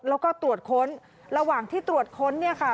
แล้วก็ตรวจค้นระหว่างที่ตรวจค้นเนี่ยค่ะ